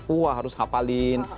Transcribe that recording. wah harus hapalin